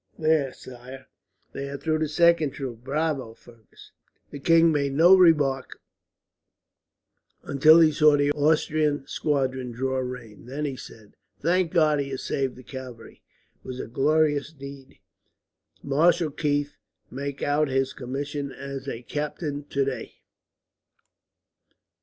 "There, sire, they are through the second troop. Bravo, Fergus!" The king made no remark until he saw the Austrian squadron draw rein. Then he said: "Thank God, he has saved the cavalry! It was a glorious deed. Marshal Keith, make out his commission as a captain, today."